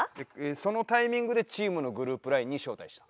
そのタイミングでチームのグループＬＩＮＥに招待した。